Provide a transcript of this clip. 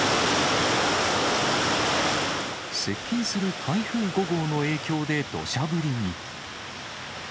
接近する台風５号の影響でどしゃ降りに。